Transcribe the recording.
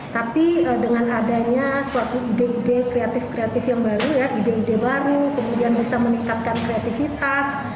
tapi dengan adanya suatu ide ide kreatif kreatif yang baru ya ide ide baru kemudian bisa meningkatkan kreativitas